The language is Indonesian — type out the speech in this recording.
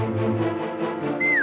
oh jj gimana sih